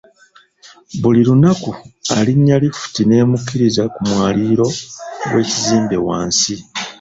Buli lunaku alinnya lifuti n'emukkiriza ku mwaliiro gw'ekizimbe wansi.